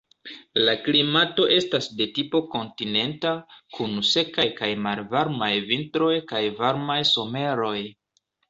La klimato estas de tipo kontinenta, kun sekaj kaj malvarmaj vintroj kaj varmaj someroj.